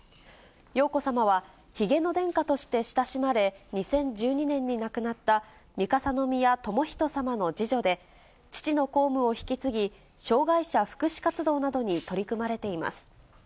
瑶子さまは、ひげの殿下として親しまれ、２０１２年に亡くなった三笠宮とも仁さまの次女で、父の公務を引き継ぎ、障がい者福祉活動などに取り組まれています。